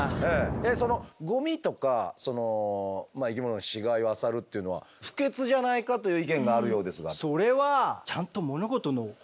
えっそのゴミとか生き物の死骸をあさるっていうのは不潔じゃないかという意見があるようですが？